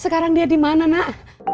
sekarang dia dimana nak